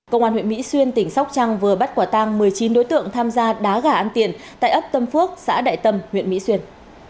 công an huyện mỹ xuyên tỉnh sóc trăng vừa bắt quả tang một mươi chín đối tượng tham gia đá gà ăn tiền tại ấp tâm phước xã đại tâm huyện mỹ xuyên